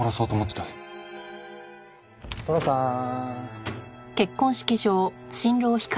寅さーん。